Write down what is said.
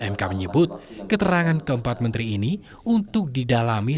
mk menyebut keterangan keempat menteri ini untuk didalami